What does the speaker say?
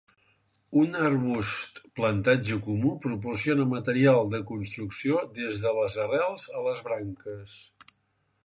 Un arbust plantatge comú proporciona material de construcció des de les arrels a les branques.